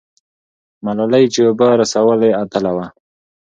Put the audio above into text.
ملالۍ چې اوبه رسولې، اتله وه.